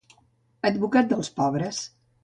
Advocat dels pobres.